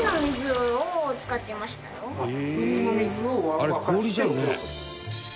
あれ氷じゃんね」